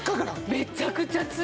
めちゃくちゃ冷たい。